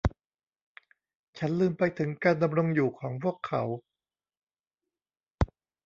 ฉันลืมไปถึงการดำรงอยู่ของพวกเขา